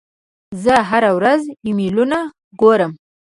زه هره ورځ ایمیلونه ګورم.